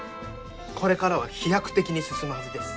これからは飛躍的に進むはずです。